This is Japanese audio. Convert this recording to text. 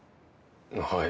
はい。